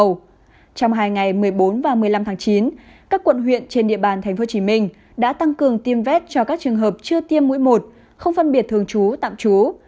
trong hai ngày một mươi bốn và một mươi năm tháng chín các quận huyện trên địa bàn tp hcm đã tăng cường tiêm vét cho các trường hợp chưa tiêm mũi một không phân biệt thường trú tạm trú